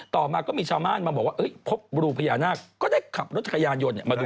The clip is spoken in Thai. ต่อมาก็มีชาวม่านบอกว่าเฮ้ยพบบรูพญานาคก็ได้ขับรถขยานยนต์มาดู